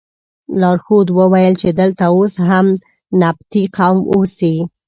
لارښود وویل چې دلته اوس هم نبطي قوم اوسي.